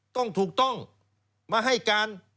ต้องถูกต้องมาให้การ